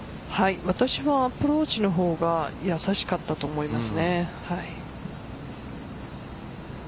私はアプローチの方が易しかったと思います。